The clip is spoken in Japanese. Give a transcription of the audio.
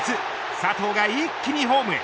佐藤が一気にホームへ。